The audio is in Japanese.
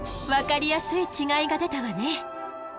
分かりやすい違いが出たわね。